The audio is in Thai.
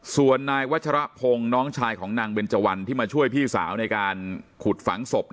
ส่วนนายวัชรพงศ์น้องชายของนางเบนเจวันที่มาช่วยพี่สาวในการขุดฝังศพ